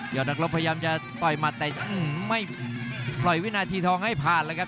อดนักรบพยายามจะต่อยหมัดแต่ไม่ปล่อยวินาทีทองให้ผ่านเลยครับ